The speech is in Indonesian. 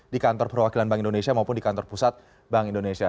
di kantor perwakilan bank indonesia maupun di kantor pusat bank indonesia